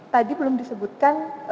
tadi belum disebutkan